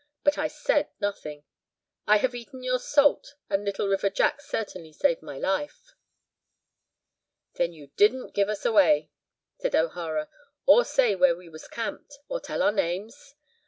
But I said nothing. I have eaten your salt, and Little River Jack certainly saved my life." "Then you didn't give us away," said O'Hara, "or say where we was camped, or tell our names?